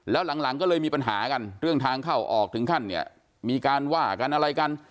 แล้วหลังก็เลยมีปัญหากันเรื่องทางเข้าออกถึงขั้นเนี่ยมีการว่ากันอะไรกัน